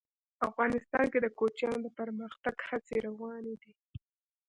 افغانستان کې د کوچیانو د پرمختګ هڅې روانې دي.